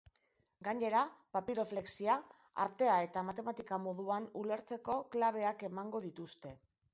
Gainera, papiroflexia, artea eta matematika moduan ulertzeko klabeak emango dituzte.